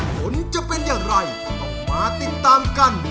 ผลจะเป็นอย่างไรต้องมาติดตามกัน